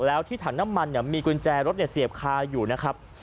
แล้วที่ถังน้ำมันมีกุญแจรถเสียบคาอยู่นะครับ